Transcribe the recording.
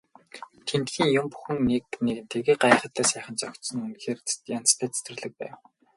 Тэндхийн юм бүгд нэг нэгэнтэйгээ гайхалтай сайхан зохицсон үнэхээр янзтай цэцэрлэг байв.